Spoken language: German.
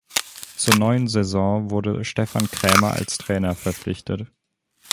Zur neuen Saison wurde Stefan Krämer als Trainer verpflichtet.